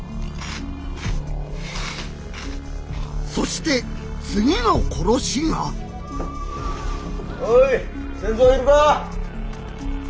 そして次の殺しがおい仙蔵はいるか？